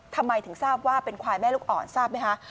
ทำไมถึงทราบว่าเป็นควายแม่ลูกอ่อนทราบไหมคะ